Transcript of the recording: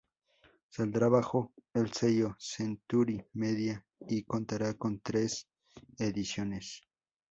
Saldrá bajo el sello Century Media y contará con tres ediciones.